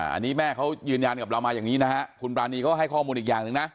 อันนี้แม่เขายืนยันกับเรามาอย่างนี้นะฮะคุณปรานีก็ให้ข้อมูลอีกอย่างหนึ่งนะ